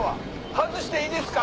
外していいですか？